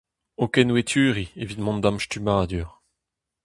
O kenweturañ evit mont da'm stummadur.